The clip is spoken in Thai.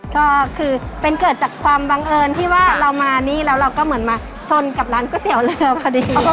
ก็คือเป็นเกิดจากความบังเอิญที่ว่าเรามานี่แล้วเราก็เหมือนมาชนกับร้านก๋วยเตี๋ยวเรือพอดี